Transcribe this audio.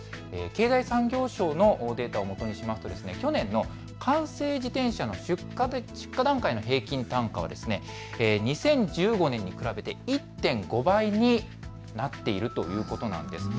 経済産業省のデータをもとにしますと去年の完成自転車の出荷段階の平均単価は２０１５年に比べて１．５倍になっているということなんです。